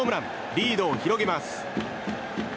リードを広げます。